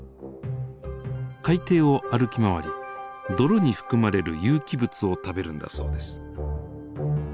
海底を歩き回り泥に含まれる有機物を食べるんだそうです。